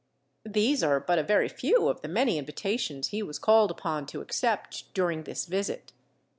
These are but a very few of the many invitations he was called upon to accept during this visit.